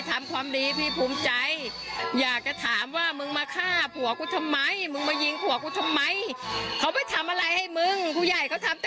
อยากให้ตำรวจเร่งจับผู้ร้ายให้ได้ไว้ที่ตุด